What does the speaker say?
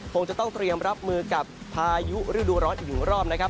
คงจะต้องเตรียมรับมือกับพายุฤดูร้อนอีกหนึ่งรอบนะครับ